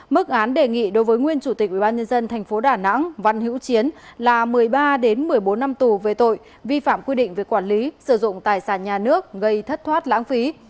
mức án đề nghị đối với nguyên chủ tịch ubnd tp đà nẵng văn hữu chiến là một mươi ba một mươi bốn năm tù về tội vi phạm quy định về quản lý sử dụng tài sản nhà nước gây thất thoát lãng phí